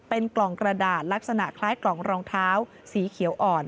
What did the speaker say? เป็นกล่องกระดาษลักษณะคล้ายกล่องรองเท้าสีเขียวอ่อน